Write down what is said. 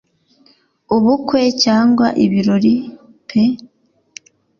Ubukwe cyangwa ibirori pe